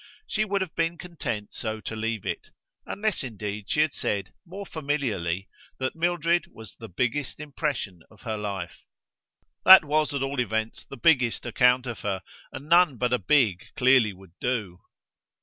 She would have been content so to leave it; unless indeed she had said, more familiarly, that Mildred was the biggest impression of her life. That was at all events the biggest account of her, and none but a big clearly would do.